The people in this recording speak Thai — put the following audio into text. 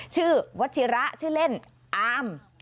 ชื่อวัชฌีระชื่อเล่นอาร์ม